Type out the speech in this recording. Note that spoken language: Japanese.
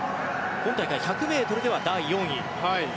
今大会、１００ｍでは第４位。